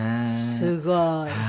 すごい。